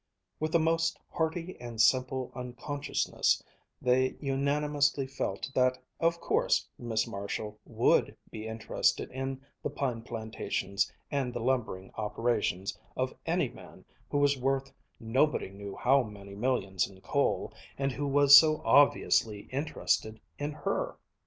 With the most hearty and simple unconsciousness, they unanimously felt that of course Miss Marshall would be interested in the pine plantations and the lumbering operations of any man who was worth nobody knew how many millions in coal, and who was so obviously interested in her.